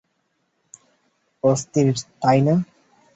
অস্থির, তাই না?